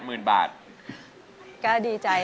หล่นหล่น